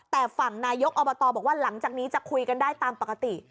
แต่ฝั่งนายกอบตบอกว่าหลังจากนี้จะคุยกันได้ตามปกติ